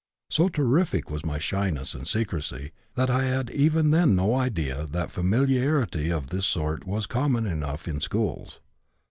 So terrific was my shyness and secrecy that I had even then no idea that familiarity of the sort was common enough in schools.